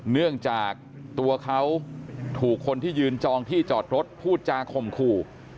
เนื่องจากตัวเขาถูกคนที่ยืนจองที่จอดรถพูดจาข่มขู่